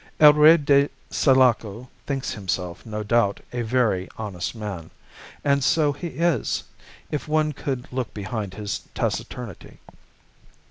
"El Rey de Sulaco thinks himself, no doubt, a very honest man. And so he is, if one could look behind his taciturnity.